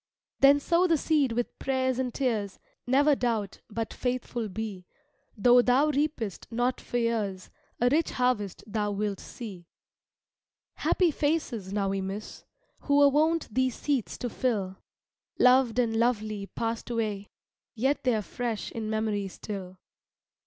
Then sow the seed with prayers and tears; Never doubt, but faithful be; Though thou reapest not for years, A rich harvest thou wilt see. Happy faces now we miss, Who were wont these seats to fill; Loved and lovely passed away, Yet they're fresh in memory still.